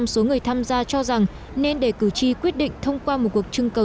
một mươi số người tham gia cho rằng nên để cử tri quyết định thông qua một cuộc trưng cầu